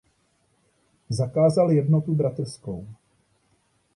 Zakázal jednotu bratrskou.